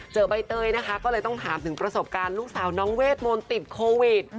ใบเตยนะคะก็เลยต้องถามถึงประสบการณ์ลูกสาวน้องเวทมนต์ติดโควิด